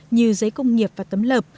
như giấy công nghiệp và tấm lợp